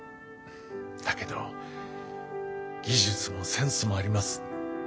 だけど技術もセンスもあります。